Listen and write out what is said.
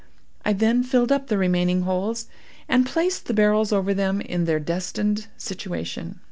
I then filled up the remaining holes, and placed the barrels over them in their destined situation.